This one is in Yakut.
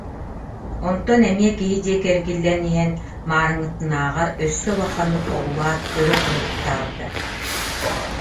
Онтон эмиэ киһи диэки эргиллэн иһэн маарыҥҥытынааҕар өссө улаханнык орулаат өрө холоруктаабыта